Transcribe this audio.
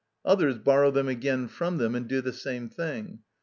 Others borrow them again from them and do the same thing.